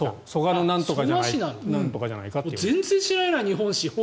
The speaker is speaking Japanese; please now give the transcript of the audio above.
蘇我のなんとかじゃないかと。